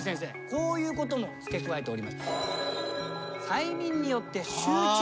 こういうことも付け加えておりました。